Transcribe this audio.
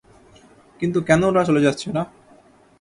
কিন্তু কেন ওরা চলে যাচ্ছে না?